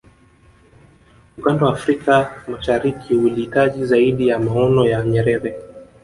ukanda wa afrika mashariki ulihitaji zaidi maono ya nyerere